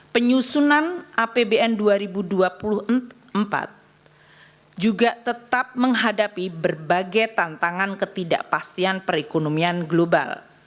penyusunan apbn dua ribu dua puluh empat juga tetap menghadapi berbagai tantangan ketidakpastian perekonomian global